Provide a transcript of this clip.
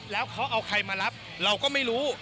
แล้วเขาเอาใครมารับเราก็ไม่รู้